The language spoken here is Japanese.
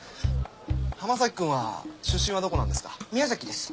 浜崎君は出身はどこなんですか？